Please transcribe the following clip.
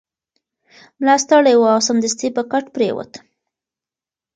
ملا ستړی و او سمدستي په کټ پریوت.